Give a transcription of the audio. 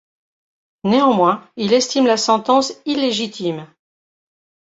Néanmoins il estime la sentence illégitime.